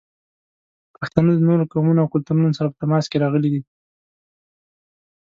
پښتانه د نورو قومونو او کلتورونو سره په تماس کې راغلي دي.